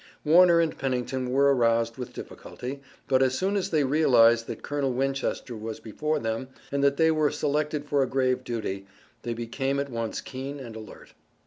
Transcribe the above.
Warner and Pennington were aroused with difficulty, but, as soon as they realized that Colonel Winchester was before them and that they were selected for a grave duty, they became at once keen and alert.